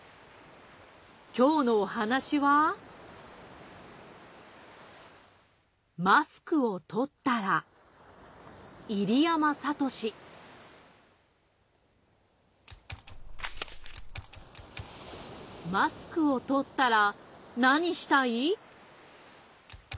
今日のお話は『マスクをとったら』いりやまさとしマスクをとったらなにしたい？